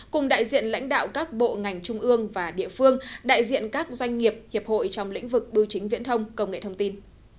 cùng đại diện lãnh đạo các bộ ngành trung ương và địa phương đại diện các doanh nghiệp hiệp hội trong lĩnh vực bưu chính viễn thông công nghệ thông tin